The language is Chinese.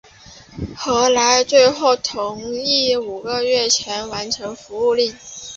何来最后同意五月前完成服务令。